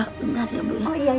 bentar ya bu